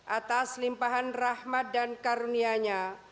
atas limpahan rahmat dan karunianya